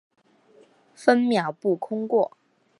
分秒不空过